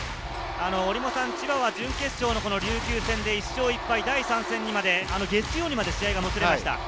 千葉は準決勝の琉球戦で１勝１敗、第３戦にまで月曜日にまで試合がもつれました。